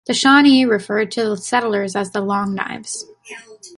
The Shawnee referred to the settlers as the Long Knives.